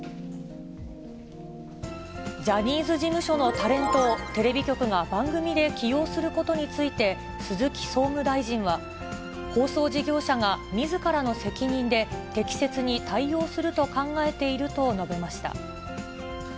ジャニーズ事務所のタレントをテレビ局が番組で起用することについて、鈴木総務大臣は、放送事業者がみずからの責任で適切に対応すると考えていると述べました。